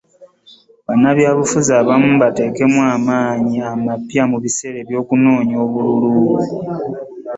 Bannabyabufuzi abamu bateekamu amaanyi amapya mu biseera by'okunoonya obululu.